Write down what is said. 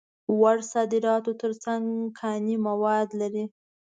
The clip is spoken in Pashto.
وړو صادراتو تر څنګ کاني مواد لري.